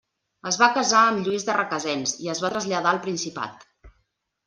Es va casar amb Lluís de Requesens i es va traslladar al Principat.